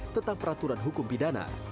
tentang peraturan hukum pidana